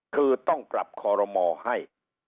คือต้องปรับคอรมอให้